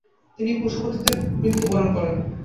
তিনি পশুপতিতে মৃত্যুবরণ করেন।